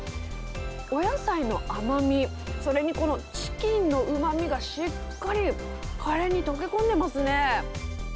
お野菜の甘み、それにこのチキンのうまみがしっかりカレーに溶け込んでますね。